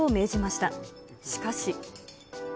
しかし。